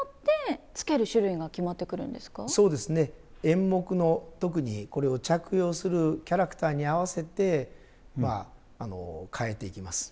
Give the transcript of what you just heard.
演目の特にこれを着用するキャラクターに合わせてまあ変えていきます。